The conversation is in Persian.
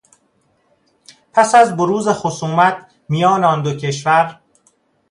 پس از بروز خصومت میان آن دو کشور